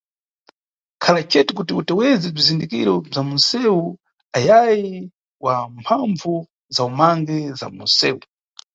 Khala cete kuti uteweze bzizindikiro bza munʼsewu ayayi wa mphambvu za umangi za munʼsewu.